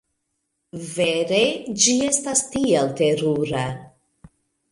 Vere. Ĝi estas tiel terura.